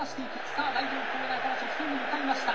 さあ第４コーナーから直線に向かいました。